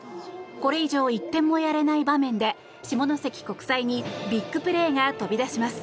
これ以上１点もやれない場面で下関国際にビッグプレーが飛び出します。